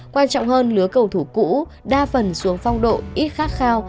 quan trọng hơn lứa cầu thủ cũ đa phần xuống phong độ ít khát khao